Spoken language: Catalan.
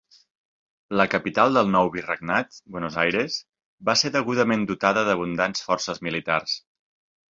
La capital del nou virregnat, Buenos Aires, va ser degudament dotada d'abundants forces militars.